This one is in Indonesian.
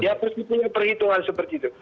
dia harus punya perhitungan seperti itu